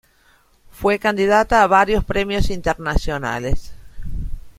Fue candidata a varios premios internacionales.